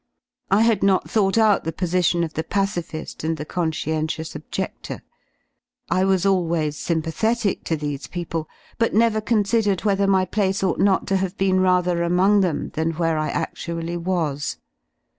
I had not thought out the position of the pacific and the con scientious objedlor, I was always sympathetic to these people, but never considered whether my place ought not ^o have been rather among them than where I adlually was.